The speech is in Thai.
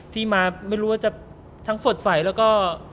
ที่มาไม่รู้ว่าจะทั้งสดใสแล้วก็